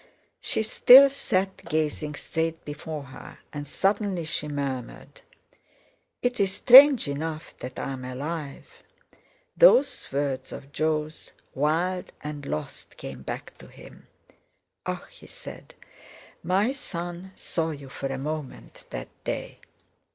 She still sat gazing straight before her, and suddenly she murmured: "It's strange enough that I'm alive." Those words of Jo's "Wild and lost" came back to him. "Ah!" he said: "my son saw you for a moment—that day."